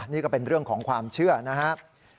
นี่ก็เป็นเรื่องของความเชื่อนะครับ